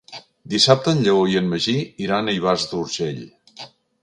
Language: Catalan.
Dissabte en Lleó i en Magí iran a Ivars d'Urgell.